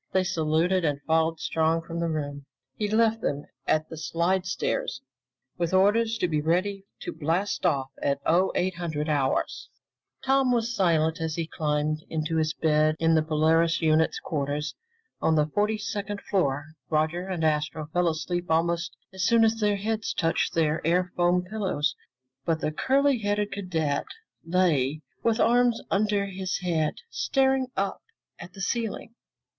They saluted and followed Strong from the room. He left them at the slidestairs with orders to be ready to blast off at 0800 hours. Tom was silent as he climbed into his bed in the Polaris unit's quarters on the forty second floor. Roger and Astro fell asleep almost as soon as their heads touched their air foam pillows, but the curly haired cadet lay with arms under his head, staring up at the ceiling.